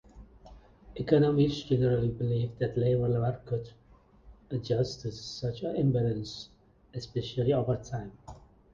Economists generally believe that labor markets adjust to such imbalances, especially over time.